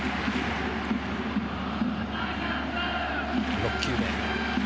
６球目。